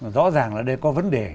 rõ ràng là đây có vấn đề